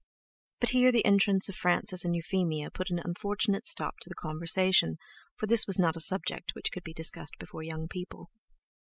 But here the entrance of Frances and Euphemia put an unfortunate stop to the conversation, for this was not a subject which could be discussed before young people.